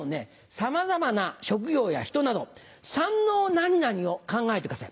さまざまな職業や人など三ＮＯ何々を考えてください。